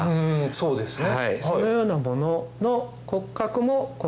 そうですね。